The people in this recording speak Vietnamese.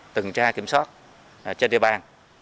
từng tra kiểm soát trên địa bàn